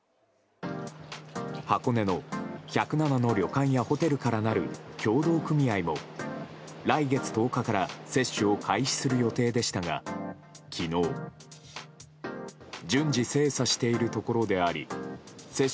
箱根の１０７の旅館やホテルからなる協同組合も来月１０日から接種を開始する予定でしたが昨日。とのメールが。